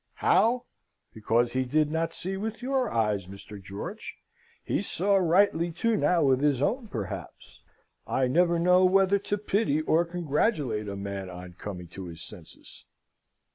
How? Because he did not see with your eyes, Mr. George. He saw rightly too now with his own, perhaps. I never know whether to pity or congratulate a man on coming to his senses.